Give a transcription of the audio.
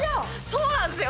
そうなんですよ。